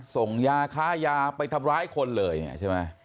ส่งยาค้ายาไปทำร้ายคนเลยเนี่ยใช่ไหม